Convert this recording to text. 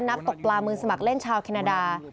นักตกปลามือสมัครเล่นชาวแคนาดา